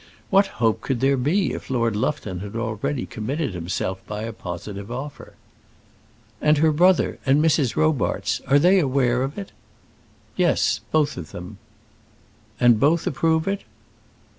What hope could there be if Lord Lufton had already committed himself by a positive offer? "And her brother, and Mrs. Robarts; are they aware of it?" "Yes; both of them." "And both approve of it?"